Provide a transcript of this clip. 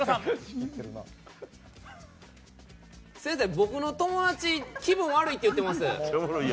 先生、僕の友達気分悪いって言うてます。